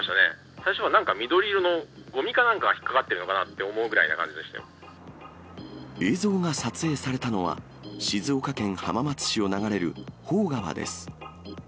最初はなんか緑色のごみかなんかが引っ掛かってるのかと思うぐら映像が撮影されたのは、静岡県浜松市を流れる芳川です。